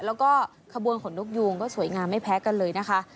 แล้วก็ขบวนขนนกยูงก็สวยงามไม่แพ้กันเลยนะคะ